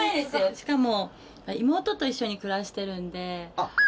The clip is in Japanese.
しかも妹と一緒に暮らしてるんで。